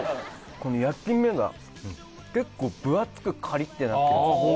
この焼き目が結構分厚くカリッてなってるあっ